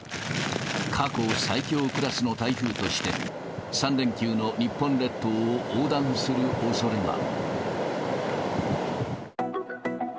過去最強クラスの台風として、３連休の日本列島を横断するおそれが。